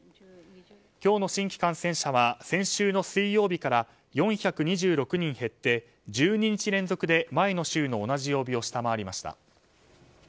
今日の新規感染者は先週の水曜日から４２６人減って１２日連続で前の週の同じ曜日を下回りました。